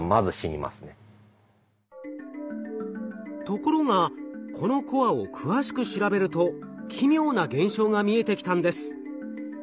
ところがこのコアを詳しく調べると奇妙な現象が見えてきたんです。